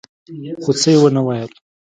خو څه يې ونه ويل.